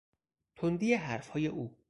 تندی حرفهای او